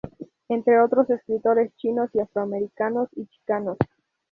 Entre otros, escritores chinos, afroamericanos y chicanos.